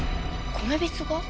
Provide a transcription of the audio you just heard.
米びつが？